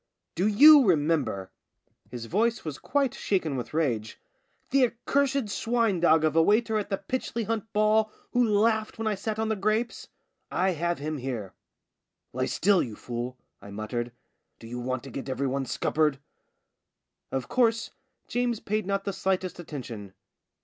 " Do you remember "— his voice was quite 78 JAMES AND THE LAND MINE shaken with rage —" the accursed swine dog of a waiter at the Pytchley Hunt ball who laughed when I sat on the grapes ? I have him here." "Lie still, you fool," I muttered. "Do you want to get every one ' scuppered '?" Of course, James paid not the slightest attention.